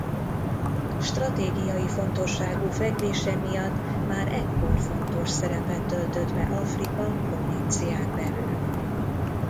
Stratégiai fontosságú fekvése miatt már ekkor fontos szerepet töltött be Africa provincián belül.